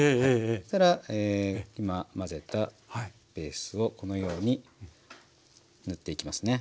そしたら今混ぜたベースをこのように塗っていきますね。